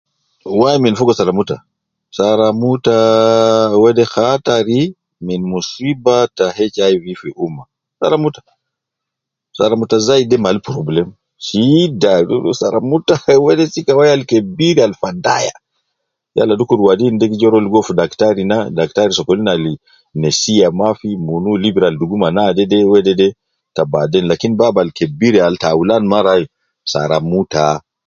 Wai min fogo saramuta, saramutaa wede khattari min muswiba ta HIV fi umma, saramuta, saramuta zaidi de mal problem, shida sara wede sika wai al kebir al fadaya, yala dukur wadin gi ja rua ligo fi daktari na, daktari sokolin al nesiya mafi munu libira al dugu ma naadede wedede ta baden lakin bab al kebir al taulan mara wai, saramuta